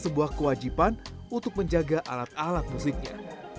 sebuah kewajiban untuk menjaga alat alat musiknya